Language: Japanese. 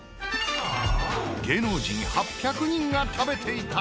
芸能人８００人が食べていた！？